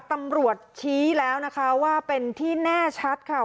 ตำรวจชี้แล้วนะคะว่าเป็นที่แน่ชัดค่ะ